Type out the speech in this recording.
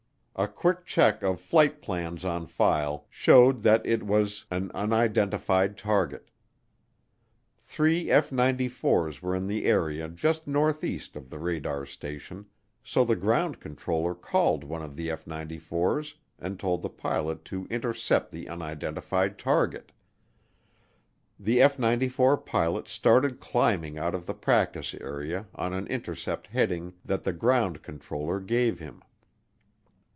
A quick check of flight plans on file showed that it was an unidentified target. Three F 94's were in the area just northeast of the radar station, so the ground controller called one of the F 94's and told the pilot to intercept the unidentified target. The F 94 pilot started climbing out of the practice area on an intercept heading that the ground controller gave him.